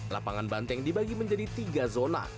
lapangan banteng dibagi menjadi tiga zona